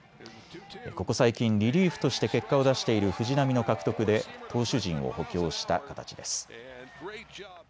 ここ最近リリーフとして結果を出している藤浪の獲得で投手陣を補強した形です。